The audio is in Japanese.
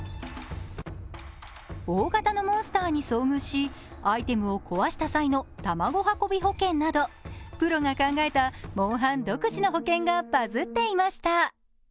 大型のモンスターに遭遇しアイテムを壊した際の卵運び保険など、プロが考えたモンハン独自の保険がバズっていました。